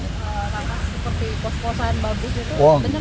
pelanggaran seperti kos kosan bagus itu